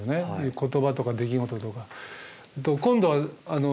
言葉とか出来事とか。